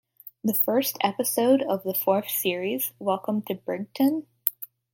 The first episode of the fourth series, Welcome To Brighton?